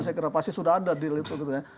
saya kira pasti sudah ada deal itu